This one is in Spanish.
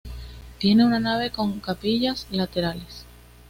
Tiene una nave con capillas laterales.